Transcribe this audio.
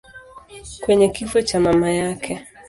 kwenye kifo cha mama yake.